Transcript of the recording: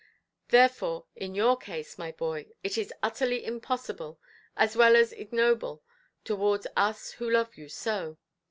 Therefore in your case, my boy, it is utterly impossible, as well as ignoble towards us who love you so.